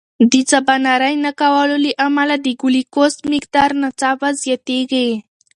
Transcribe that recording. د سباناري نه کولو له امله د ګلوکوز مقدار ناڅاپه زیاتېږي.